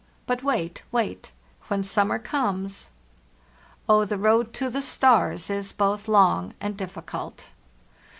But wait, wait; when summer comes. . "Oh, the road to the stars is both long and difficult!